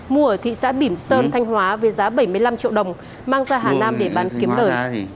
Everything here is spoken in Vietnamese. mua ở thị xã bỉm sơn thanh hóa với giá bảy mươi năm triệu đồng mang ra hà nam để bán kiếm lời